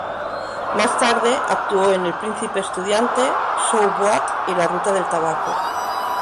Más tarde actuó en "El Príncipe Estudiante", "Show Boat", y "La Ruta del Tabaco".